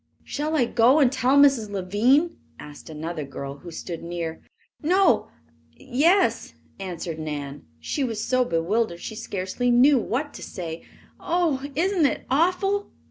"Shall I go and tell Mrs. Lavine?" asked another girl who stood near. "No yes," answered Nan. She was so bewildered she scarcely knew what to say. "Oh, isn't it awful!"